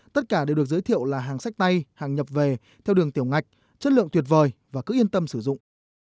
tất cả đều được giới thiệu là hàng sách tay hàng nhập về theo đường tiểu ngạch chất lượng tuyệt vời và cứ yên tâm sử dụng